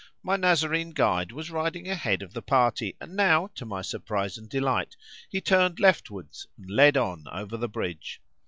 My Nazarene guide was riding ahead of the party, and now, to my surprise and delight, he turned leftwards, and led on over the bridge.